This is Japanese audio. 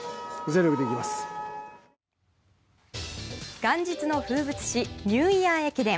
元日の風物詩ニューイヤー駅伝。